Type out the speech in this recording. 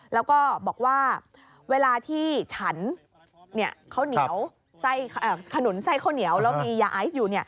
แล้วก็บอกว่าเวลาที่ฉันข้าวเหนียวขนุนไส้ข้าวเหนียวแล้วมียาไอซ์อยู่